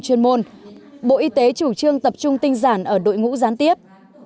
chuyên môn bộ y tế chủ trương tập trung tinh giản ở đội ngũ gián tiếp